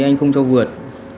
anh không cho vượt